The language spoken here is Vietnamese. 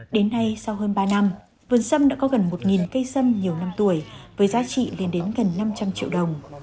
đến nay sau hơn ba năm vườn sâm đã có gần một cây sâm nhiều năm tuổi với giá trị lên đến gần năm trăm linh triệu đồng